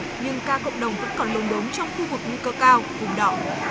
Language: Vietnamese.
nhưng ca cộng đồng vẫn còn lùng đốm trong khu vực nguy cơ cao vùng đỏ